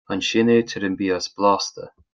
Ansin a itear an bia is blasta.